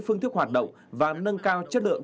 phương thức hoạt động và nâng cao chất lượng